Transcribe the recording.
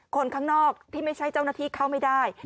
คนข้างนอกที่ไม่ใช่เจ้าหน้าที่เข้าไม่ได้